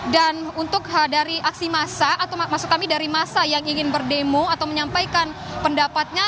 dan untuk dari aksi masa atau maksud kami dari masa yang ingin berdemo atau menyampaikan pendapatnya